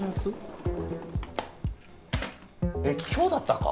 えっ今日だったか？